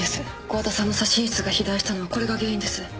郷田さんの左心室が肥大したのはこれが原因です。